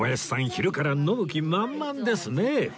昼から飲む気満々ですね